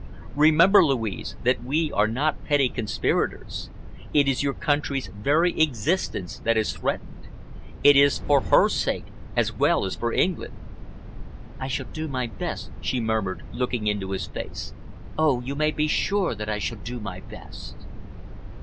Remember, Louise, that we are not petty conspirators. It is your country's very existence that is threatened. It is for her sake as well as for England." "I shall do my best," she murmured, looking into his face. "Oh, you may be sure that I shall do my best!"